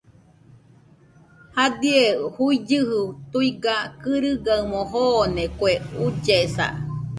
Jadie juillɨji tuiga kɨrɨgaɨmo joone kue ullesa.